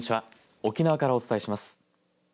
沖縄からお伝えします。